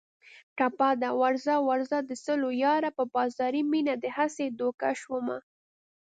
ټپه ده: ورځه ورځه د سلو یاره په بازاري مینه دې هسې دوکه شومه